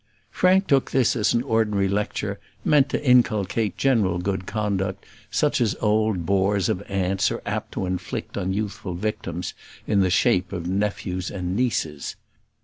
Frank took this as an ordinary lecture, meant to inculcate general good conduct, such as old bores of aunts are apt to inflict on youthful victims in the shape of nephews and nieces.